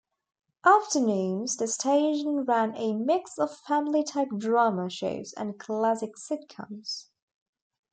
Afternoons the station ran a mix of family type drama shows and classic sitcoms.